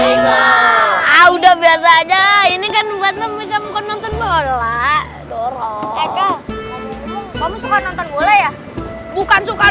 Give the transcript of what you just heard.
enggak ah udah biasa aja ini kan buat temen pemen kamu